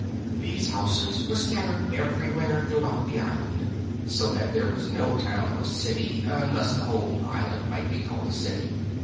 These houses were scattered everywhere throughout the island, so that there was no town or city, unless the whole island might be called a city.